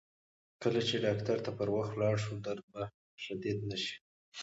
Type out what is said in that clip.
کله چې ډاکتر ته پر وخت ولاړ شو، درد به شدید نه شي.